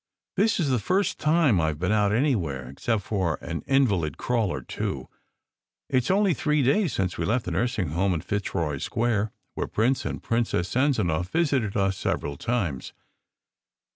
This is the first time I ve been out anywhere except for an invalid crawl or two. It s only three days since we left the nursing home in Fitzroy Square, where Prince and Princess Sanzanow visited us several times.